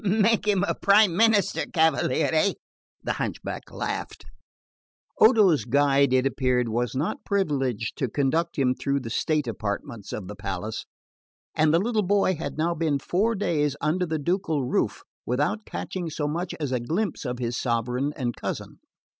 "Make him a prime minister, cavaliere," the hunchback laughed. Odo's guide, it appeared, was not privileged to conduct him through the state apartments of the palace, and the little boy had now been four days under the ducal roof without catching so much as a glimpse of his sovereign and cousin.